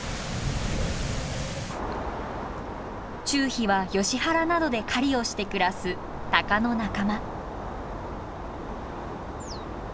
チュウヒはヨシ原などで狩りをして暮らすタカの仲間。